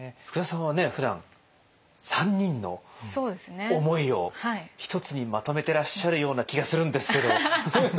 福田さんはふだん３人の思いをひとつにまとめてらっしゃるような気がするんですけど。